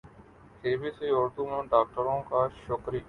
ی B C Urdu اور ڈاکٹروں کا شکری